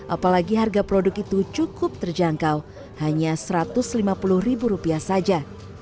apalagi harga produk itu cukup terjangkau hanya satu ratus lima puluh ribu rupiah saja